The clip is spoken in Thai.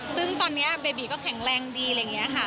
ซึ่งตอนนี้เบบีก็แข็งแรงดีอะไรอย่างนี้ค่ะ